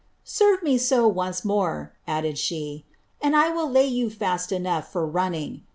" Serve me so once more," added site, " and I will lay you fast enough, for running!